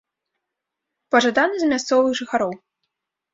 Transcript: Пажадана з мясцовых жыхароў.